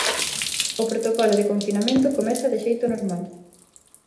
O protocolo de confinamento comeza de xeito normal.